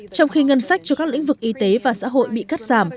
trong khi ngân sách cho các lĩnh vực y tế và xã hội bị cắt giảm